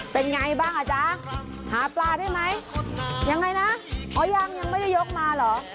เป็นไงบ้างอ่ะจ๊ะหาปลาได้ไหมยังไงนะอ๋อยังยังไม่ได้ยกมาเหรอ